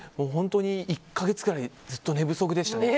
１か月ぐらいずっと寝不足でしたね。